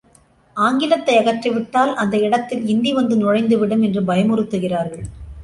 ஆங்கிலத்தை அகற்றி விட்டால் அந்த இடத்தில் இந்தி வந்து நுழைந்து விடும் என்று பயமுறுத்துகிறார்கள்!